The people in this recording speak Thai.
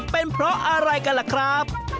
เป็นเพราะอะไรกันล่ะครับ